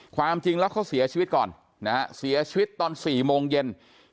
ความจริงแล้วเขาเสียชีวิตก่อนนะฮะเสียชีวิตตอน๔โมงเย็น